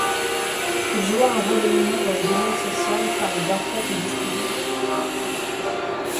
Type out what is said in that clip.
Il joua un rôle éminent dans le domaine social par les bienfaits qu'il distribua.